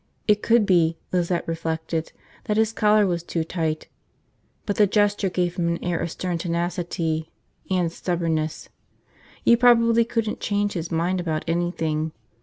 It could be, Lizette reflected, that his collar was too tight; but the gesture gave him an air of stern tenacity. And stubbornness. You probably couldn't change his mind about anything.